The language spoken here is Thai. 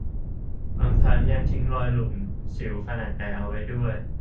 บางครั้งยังทิ้งรอยหลุมสิวขนาดใหญ่เอาไว้ด้วย